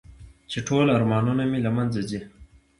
چې ټول ارمانونه مې له منځه ځي .